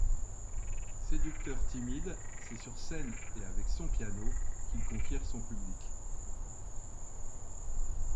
Séducteur timide, c'est sur scène, et avec son piano, qu'il conquiert son public.